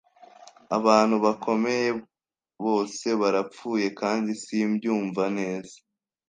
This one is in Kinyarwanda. Abantu bakomeye bose barapfuye kandi simbyumva neza.